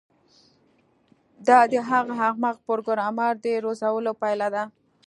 دا د هغه احمق پروګرامر د روزلو پایله ده